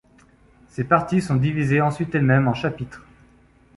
Ces parties sont divisées ensuite elles-mêmes en chapitres.